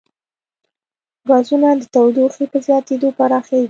ګازونه د تودوخې په زیاتېدو پراخېږي.